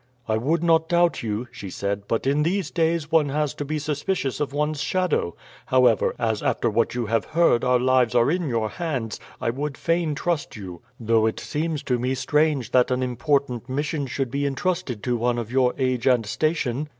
"I would not doubt you," she said; "but in these days one has to be suspicious of one's shadow. However, as after what you have heard our lives are in your hands, I would fain trust you; though it seems to me strange that an important mission should be intrusted to one of your age and station."